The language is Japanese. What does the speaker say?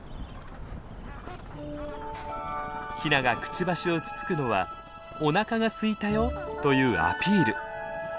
ヒナがくちばしをつつくのは「おなかがすいたよ」というアピール。